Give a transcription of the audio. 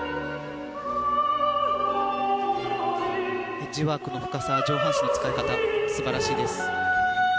エッジワークの運び方上半身の使い方素晴らしいです。